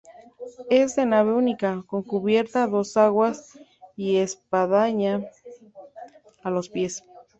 Es de nave única, con cubierta a dos aguas y espadaña a los pies.